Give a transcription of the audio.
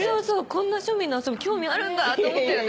こんな庶民の遊び興味あるんだって思ったよね。